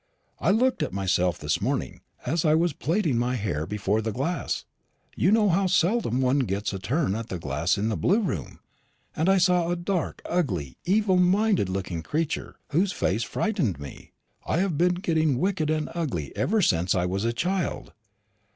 I looked at myself this morning, as I was plaiting my hair before the glass you know how seldom one gets a turn at the glass in the blue room and I saw a dark, ugly, evil minded looking creature, whose face frightened me. I have been getting wicked and ugly ever since I was a child.